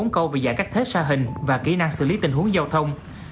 một trăm một mươi bốn câu về giải cách thết xa hình và kỹ năng xử lý tình huống giao thông